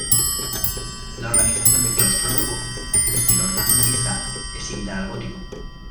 La organización del claustro nuevo, de estilo renacentista, es similar al gótico.